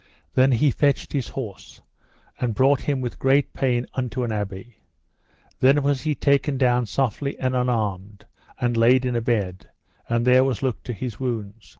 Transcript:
Then he fetched his horse, and brought him with great pain unto an abbey. Then was he taken down softly and unarmed, and laid in a bed, and there was looked to his wounds.